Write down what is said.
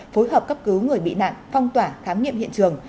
phối hợp cấp cứu người bị nạn phong tỏa khám nghiệm hiện trường